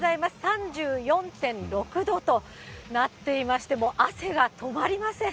３４．６度となっていまして、もう汗が止まりません。